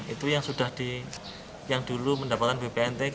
itu yang dulu mendapatkan bpnt